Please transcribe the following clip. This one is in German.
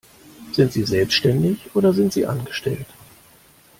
Sind Sie selbstständig oder sind Sie angestellt?